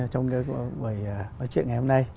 trong buổi nói chuyện ngày hôm nay